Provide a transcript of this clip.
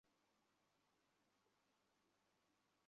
কনকচাঁপাএকেবারে শিশু বয়সে আব্বা আমাকে তাঁর কাছে গান শেখার জন্য নিয়ে যান।